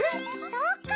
そっか！